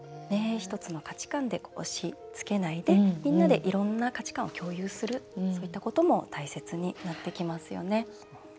１つの価値観で押しつけないでみんなでいろんな価値観を共有するということも大切になってきますよね。